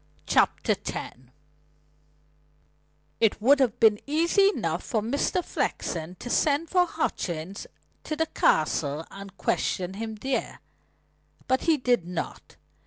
CHAPTER X It would have been easy enough for Mr. Flexen to send for Hutchings to the Castle and question him there. But he did not.